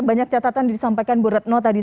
banyak catatan disampaikan bu retno tadi